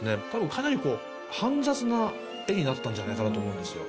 かなりこう煩雑な絵になったんじゃないかなと思うんですよ。